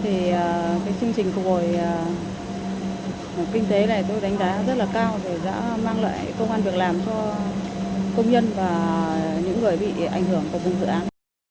để đã mang lại công an việc làm cho công nhân và những người bị ảnh hưởng của vùng dự án